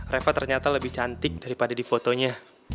reva ternyata lebih cantik daripada di fotonya